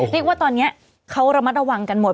เรียกว่าตอนนี้เขาระมัดระวังกันหมด